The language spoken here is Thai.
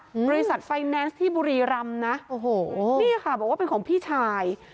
บริษัทไฟแนนซ์ที่บุรีรำนะโอ้โหนี่ค่ะบอกว่าเป็นของพี่ชาย